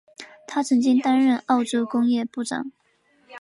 他曾经担任澳洲工业部长。